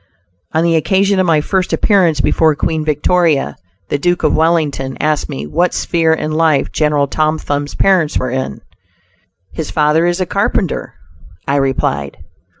On the occasion of my first appearance before Queen Victoria, the Duke of Wellington asked me what sphere in life General Tom Thumb's parents were in. "His father is a carpenter," I replied.